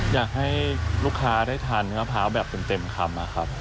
อยากให้ลูกค้าได้ทานมะพร้าวแบบเต็มคำนะครับ